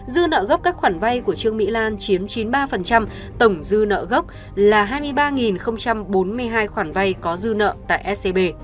dư nợ gốc các khoản vay của trương mỹ lan chiếm chín mươi ba tổng dư nợ gốc là hai mươi ba bốn mươi hai khoản vay có dư nợ tại scb